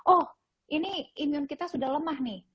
oh ini imun kita sudah lemah nih